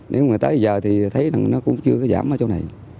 nếu mà tới giờ thì thấy rằng nó cũng chưa có giảm ở chỗ này